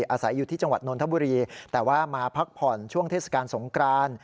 อาศัยอยู่ที่จังหวัดนนทบุรีแต่ว่ามาพักผ่อนช่วงเทศกาลสงกราน